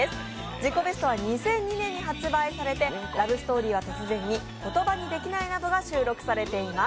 「自己ベスト」は２００２年に発売されて「ラブ・ストーリーは突然に」「言葉にできない」などが収録されています。